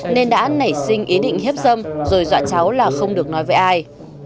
nên đã nảy sinh ý định hiếp dâm rồi dọa cháu là không được nói với ai